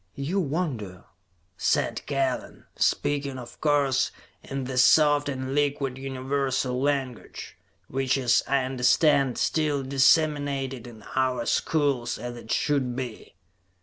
"You wonder," said Kellen, speaking of course, in the soft and liquid universal language, which is, I understand, still disseminated in our schools, as it should be.